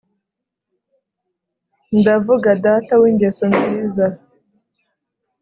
ndavuga data w' ingeso nziza